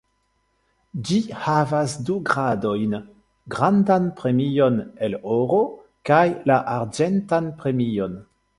Ĝi havas du gradojn: Grandan premion el oro kaj la arĝentan premion.